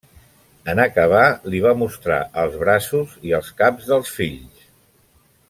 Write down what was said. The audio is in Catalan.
En acabar li va mostrar els braços i els caps dels fills.